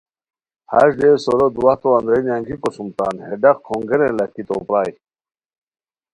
ہݰ رے سورو دواہتو اندرینی انگیکو سوم تان ہے ڈاق کھونگیرین لاکھی تو پرائے